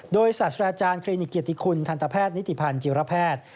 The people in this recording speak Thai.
โดยศาสตราจารย์คลินิกเกียรติคุณทันตแพทย์นิติพันธ์จิรแพทย์